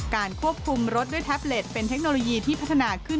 ควบคุมรถด้วยแท็บเล็ตเป็นเทคโนโลยีที่พัฒนาขึ้น